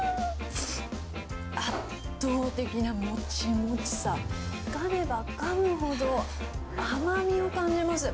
圧倒的なもちもちさ、かめばかむほど、甘みを感じます。